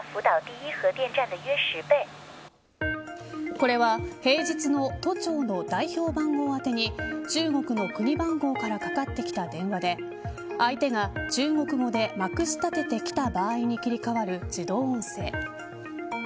これは平日の都庁の代表番号宛てに中国の国番号からかかってきた電話で相手が中国語でまくし立ててきた場合に切り替わる自動音声。